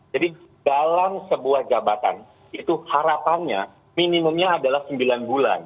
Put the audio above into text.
jadi dalam sebuah jabatan itu harapannya minimumnya adalah sembilan bulan